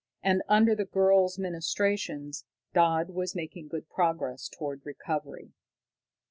And under the girl's ministrations Dodd was making good progress toward recovery.